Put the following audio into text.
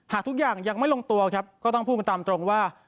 ทุกอย่างยังไม่ลงตัวครับก็ต้องพูดกันตามตรงว่า